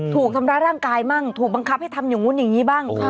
ถูกทำร้ายร่างกายบ้างถูกบังคับให้ทำอย่างนู้นอย่างนี้บ้าง